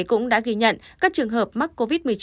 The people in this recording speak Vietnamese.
cũng đã ghi nhận các trường hợp mắc covid một mươi chín